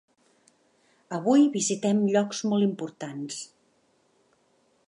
Avui visitem llocs molt importants.